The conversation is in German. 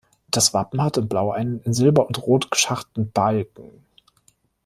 Das Wappen hat in Blau einen in Silber und Rot geschachten Balken.